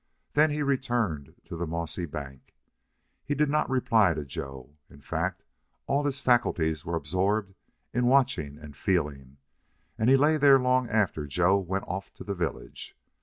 Then he returned to the mossy bank. He did not reply to Joe. In fact, all his faculties were absorbed in watching and feeling, and he lay there long after Joe went off to the village.